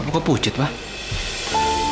apakah pujit pak